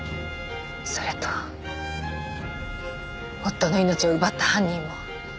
それと夫の命を奪った犯人も。